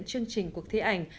chương trình cuộc thi ảnh